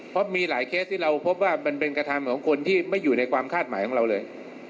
เพราะมีหลายเคสที่เราพบว่ามันเป็นกระทำของคนที่ไม่อยู่ในความคาดหมายของเราเลย